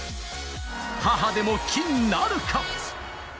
母でも金なるか。